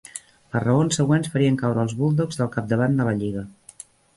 Les raons següents farien caure els Bulldogs del capdavant de la lliga.